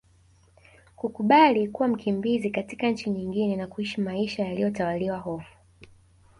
Kukubali kuwa mkimbizi katika nchi nyingine na kuishi maisha yaliyo tawaliwa hofu